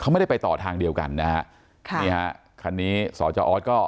ไม่ได้ไปต่อทางเดียวกันนะฮะค่ะนี่ฮะคันนี้สจออสก็